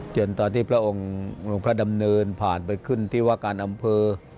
ตอนที่พระองค์พระดำเนินผ่านไปขึ้นที่ว่าการอำเภอ